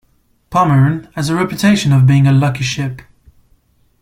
"Pommern" has the reputation of being a "lucky ship".